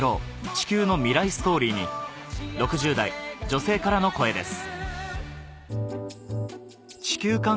地球の未来ストーリー』に６０代女性からの声です